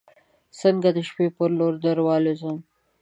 څنګه د شپې پر لور دروالوزم